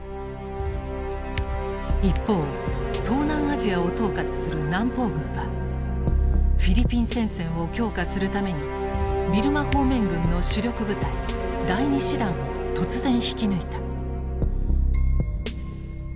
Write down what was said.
一方東南アジアを統括する南方軍はフィリピン戦線を強化するためにビルマ方面軍の主力部隊第二師団を突然引き抜いた。